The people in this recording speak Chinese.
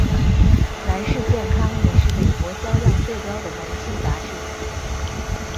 男士健康也是美国销量最高的男性杂志。